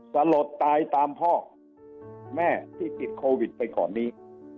สลดตายตามพ่อแม่ที่ติดโควิดไปก่อนนี้